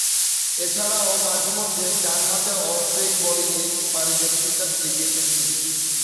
এছাড়াও, মাঝে-মধ্যে ডানহাতে অফ ব্রেক বোলিংয়ে পারদর্শীতা দেখিয়েছেন তিনি।